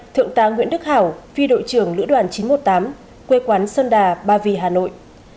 thượng tá nguyễn đức hảo phi đội trưởng lữ đoàn chín trăm một mươi tám quê quán sơn đà ba vì hà nội